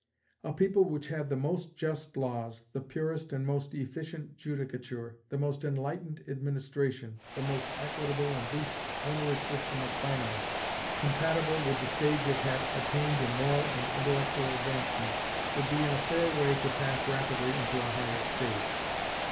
A people which had the most just laws, the purest and most efficient judicature, the most enlightened administration, the most equitable and least onerous system of finance, compatible with the stage it had attained in moral and intellectual advancement, would be in a fair way to pass rapidly into a higher stage.